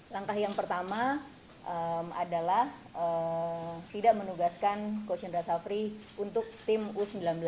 langkah yang pertama adalah tidak menugaskan coach indra safri untuk tim u sembilan belas